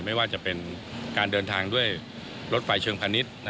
ไม่ว่าจะเป็นการเดินทางด้วยรถไฟเชิงพาณิชย์